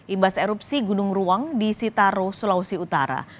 imbas erupsi gunung ruang di sitaro sulawesi utara